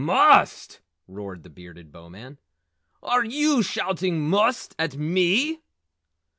"MUST!" roared the Bearded Bowman. "Are yew shouting 'must' at ME?"